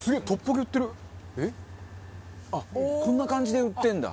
あっこんな感じで売ってんだ。